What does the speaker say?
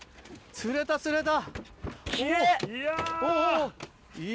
釣れた、釣れた。